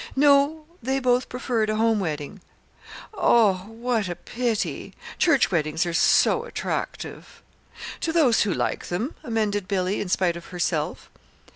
"No. They both preferred a home wedding." "Oh, what a pity! Church weddings are so attractive!" "To those who like them," amended Billy in spite of herself.